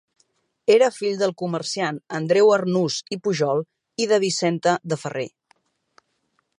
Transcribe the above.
Era fill del comerciant Andreu Arnús i Pujol i de Vicenta de Ferrer.